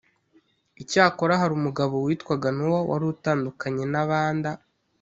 Icyakora hari umugabo witwaga Nowa wari utandukanye na abanda